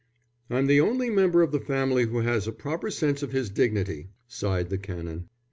"I'm the only member of the family who has a proper sense of his dignity," sighed the Canon.